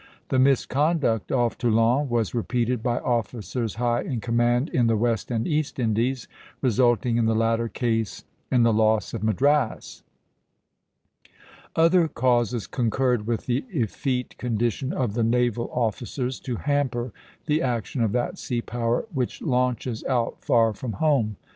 The misconduct off Toulon was repeated by officers high in command in the West and East Indies, resulting in the latter case in the loss of Madras. Other causes concurred with the effete condition of the naval officers to hamper the action of that sea power which launches out far from home.